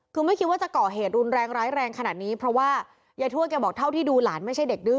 คือไม่คิดว่าจะก่อเหตุรุนแรงร้ายแรงขนาดนี้เพราะว่ายายทวดแกบอกเท่าที่ดูหลานไม่ใช่เด็กดื้อ